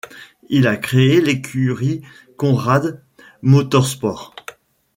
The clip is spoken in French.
Il a créé l'écurie Konrad Motorsport.